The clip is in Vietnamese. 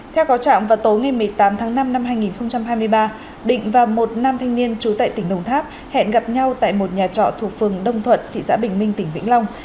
theo cáo trạng vào tối ngày một mươi tám tháng năm năm hai nghìn hai mươi ba định và một nam thanh niên trú tại tỉnh đồng tháp hẹn gặp nhau tại một nhà trọ thuộc phường đông thuận thị xã bình minh tỉnh vĩnh long